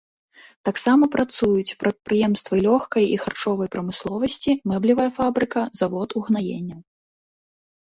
Таксама працуюць прадпрыемствы лёгкай і харчовай прамысловасці, мэблевая фабрыка, завод угнаенняў.